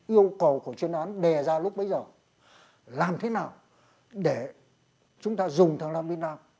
yêu cầu của chuyên án đề ra lúc bây giờ làm thế nào để chúng ta dùng thằng lam vinh nam